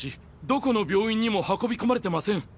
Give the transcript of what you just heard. どこの病院にも運び込まれてません！